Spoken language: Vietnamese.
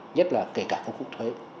nhất là kể cả công cụ thuế